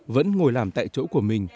vẫn ngồi làm tại chỗ của mình